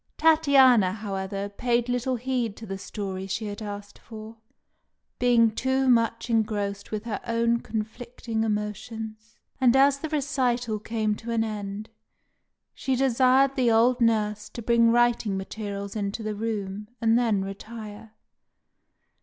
Tatiana, however, paid little heed to the story she had asked for, being too much engrossed with her own conflicting emotions; and as the recital came to an end, she desired the old nurse to bring writing materials into the room, and then retire.